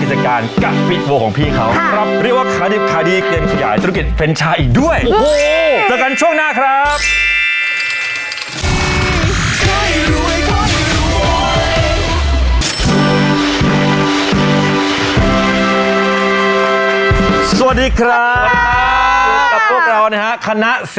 อย่างงั้นตอบต้อนรับอาจารย์ยิ่งสักครั้ง